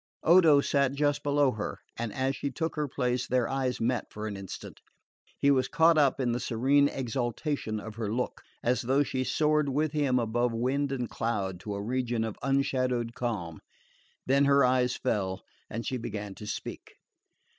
Odo sat just below her, and as she took her place their eyes met for an instant. He was caught up in the serene exaltation of her look, as though she soared with him above wind and cloud to a region of unshadowed calm; then her eyes fell and she began to speak.